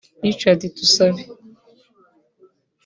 Richard Tusabe